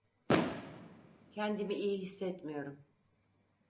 Kendimi iyi hissetmiyorum.